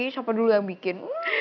siapa dulu yang bikin